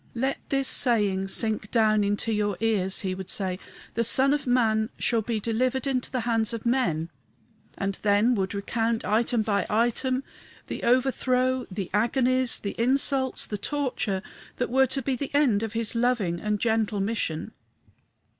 "Let this saying sink down into your ears," he would say: "the Son of man shall be delivered into the hands of men;" and then would recount, item by item, the overthrow, the agonies, the insults, the torture, that were to be the end of his loving and gentle mission.